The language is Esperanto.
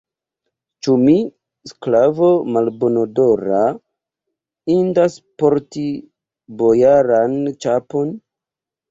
Ĉu mi, sklavo malbonodora, indas porti bojaran ĉapon?